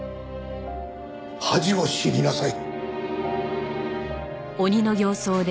恥を知りなさい。